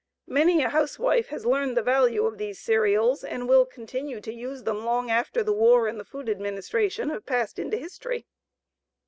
Many a housewife has learned the value of these cereals and will continue to use them long after the war and the Food Administration have passed into history.